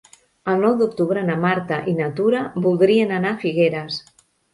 El nou d'octubre na Marta i na Tura voldrien anar a Figueres.